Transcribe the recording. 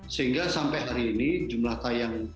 sehingga sampai hari ini jumlah tayang